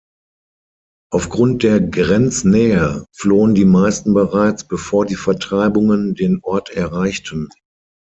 Aufgrund der Grenznähe flohen die meisten bereits, bevor die Vertreibungen den Ort erreichten.